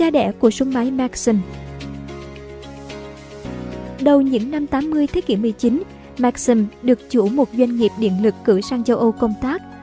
đầu những năm tám mươi thế kỷ một mươi chín maxim được chủ một doanh nghiệp điện lực cử sang châu âu công tác